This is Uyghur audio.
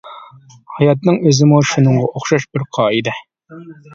ھاياتنىڭ ئۆزىمۇ شۇنىڭغا ئوخشاش بىر قائىدە.